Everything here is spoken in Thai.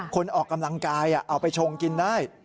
คนออกกำลังกายเอาไปชงกินได้